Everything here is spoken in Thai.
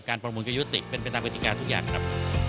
การประมูลยุติเป็นเป็นตามวิธีการทุกอย่างครับ